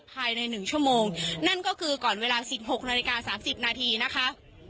ภายใน๑ชั่วโมงนั่นก็คือก่อนเวลาสิบหกนาฬิกา๓๐นาทีนะคะ